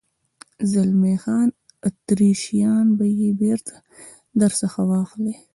زلمی خان: اتریشیان به یې بېرته در څخه واخلي.